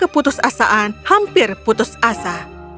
keputusasaan hampir putus asa